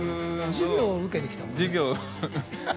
授業受けに来たもんね。